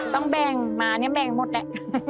ต้องแบ่งมาเนี่ยแบ่งหมดแหละ